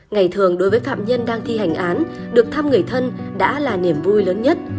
ngày thường đối với phạm nhân đang thi hành án được thăm người thân đã là niềm vui lớn nhất